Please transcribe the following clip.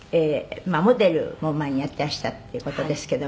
「モデルも前にやっていらしたっていう事ですけども」